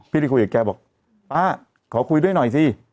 พี่ก็เลยคุยกับแกบอกป๊าขอคุยด้วยหน่อยซิ